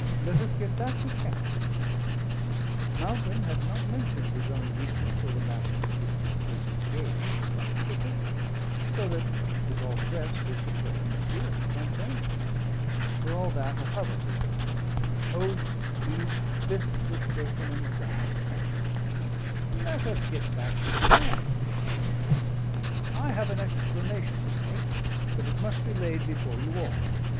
Let us get back to camp." Mountain had not mentioned his own weakness or the Master's disconcerting gaze upon the thicket, so that (with all the rest) his return appeared spontaneous. For all that, a hubbub arose; oaths flew, fists were shaken, and guns pointed. "Let us get back to camp," said the Master. "I have an explanation to make, but it must be laid before you all.